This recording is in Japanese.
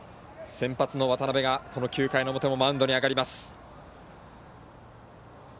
先発の渡邊が９回の表もマウンドに上がります。